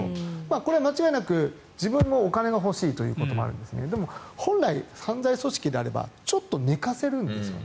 これは間違いなく自分のお金が欲しいということもあるんですが本来、犯罪組織であればちょっと寝かせるんですよね。